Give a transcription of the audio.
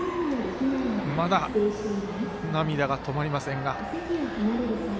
まだ涙が止まりませんが。